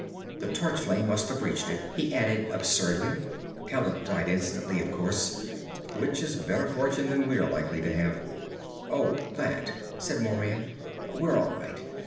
The torch flame must have reached it." He added absurdly. "Hallet died instantly, of course. Which is better fortune than we are likely to have." "Oh, that ..." said Moran. "We're all right.